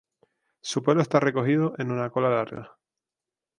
Su pelo está recogido en una cola larga.